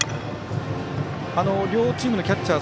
両チームのキャッチャー